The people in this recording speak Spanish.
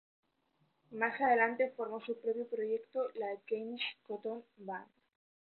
Más adelante formó su propio proyecto, la James Cotton Band.